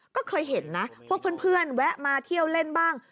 ก็เคยเห็นนะพวกเพื่อนแวะมาเที่ยวเล่นบ้าง